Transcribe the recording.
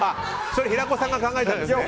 それ、平子さんが考えたんですね？